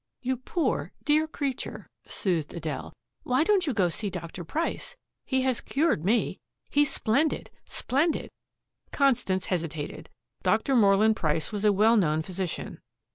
"You poor, dear creature," soothed Adele. "Why don't you go to see Dr. Price? He has cured me. He's splendid splendid." Constance hesitated. Dr. Moreland Price was a well known physician.